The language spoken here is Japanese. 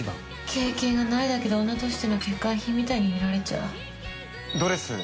経験がないだけで、女としての欠陥品みたいに見られちゃう。